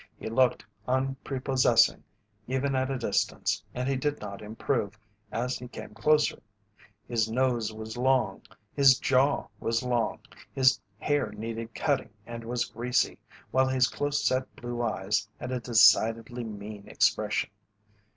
He looked unprepossessing even at a distance and he did not improve, as he came closer. His nose was long, his jaw was long, his hair needed cutting and was greasy, while his close set blue eyes had a decidedly mean expression.